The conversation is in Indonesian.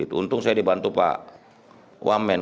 untung saya dibantu pak wamen